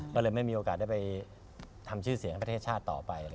ก็เลยไม่มีโอกาสได้ไปทำชื่อเสียงให้ประเทศชาติต่อไป